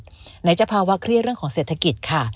ไหนจะภาวะเครียดเรื่องของเศรษฐกิจค่ะ